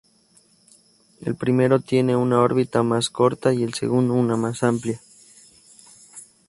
El primero tiene una órbita más corta y el segundo una más amplia.